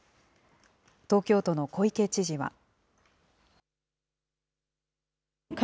東京都の小池知事は。